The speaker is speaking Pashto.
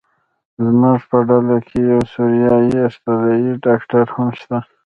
زموږ په ډله کې یو سوریایي استرالیایي ډاکټر هم شته.